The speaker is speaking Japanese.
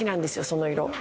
その色。